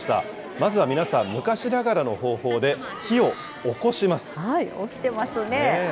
まずは皆さん、昔ながらの方法で、おきてますね。